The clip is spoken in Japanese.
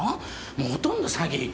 もうほとんど詐欺。